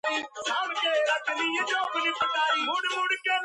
მან მაჰმადიანობა მიიღო და მალევე დაწინაურდა ოსმალეთის სამეფო კარზე.